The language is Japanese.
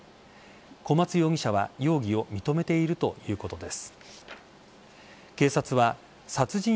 小松容疑者は容疑を認めているということです。